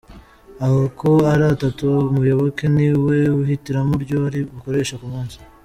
Ako ari atatu umuyoboke ni we wihitiramo iryo ari bukoreshe ku munsi.